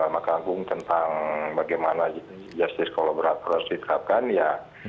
makanggung tentang bagaimana justis kolaborator harus diterapkan ya